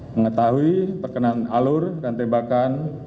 mengetahui perkenan alur dan tembakan